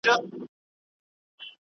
ته ولي چپنه پاکوې!.